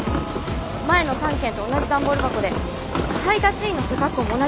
前の３件と同じ段ボール箱で配達員の背格好も同じです。